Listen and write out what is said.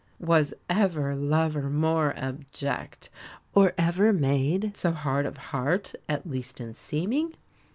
Was ever lover more abject, or ever maid so hard of heart, at least in seeming?